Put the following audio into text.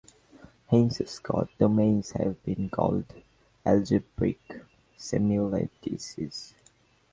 Hence Scott domains have been called "algebraic semilattices".